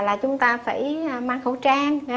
là chúng ta phải mang khẩu trang